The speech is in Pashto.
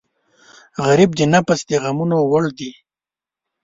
غریب د نفس د غمونو وړ دی